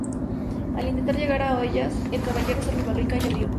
Al intentar llegar a ellas, el caballero se resbaló y cayó al río.